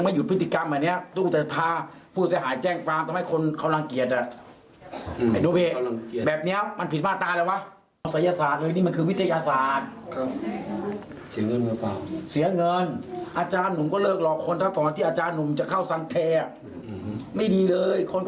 สุดท้ายหมอปลาก็เลยให้กับไม่่คน